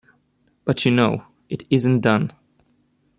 But you know, it isn't done.